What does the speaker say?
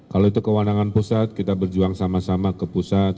kalau itu kewenangan pusat kita berjuang sama sama ke pusat